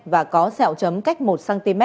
và có sẹo chấm cách một cm